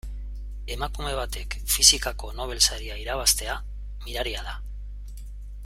Emakume batek fisikako Nobel saria irabaztea miraria da.